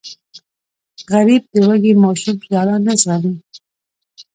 غریب د وږې ماشوم ژړا نه زغمي